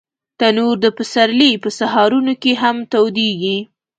تنور د پسرلي په سهارونو کې هم تودېږي